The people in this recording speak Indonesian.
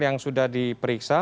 yang sudah di periksa